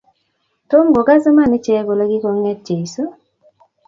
Tom kogas iman ichek kole kikonget Jeso